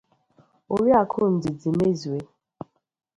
Oriakụ Ndidi Mezue